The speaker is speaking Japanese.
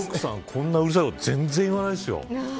こんなうるさいこと全然、言わないですよ。